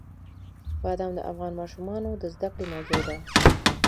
بادام د افغان ماشومانو د زده کړې موضوع ده.